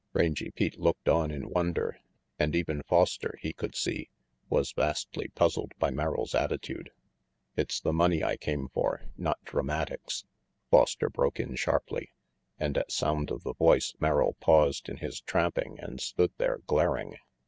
Rangy Pete looked on in wonder, and even Foster, he could see, was vastly puzzled by Merrill's attitude. "It's the money I came for, not dramatics," Foster broke in sharply; and at sound of the voice Merrill paused in his tramping and stood there glaring.